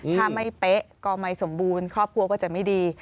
ถ้าไม่เป๊ะก็ไม่สมบูรณ์ครอบครัวก็จะไม่ดี